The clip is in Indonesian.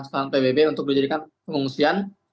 stand pbb untuk dijadikan pengungsian